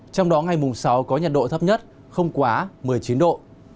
trong đó ngày mùng sáu có nhiệt độ thấp nhất không quá một mươi chín độ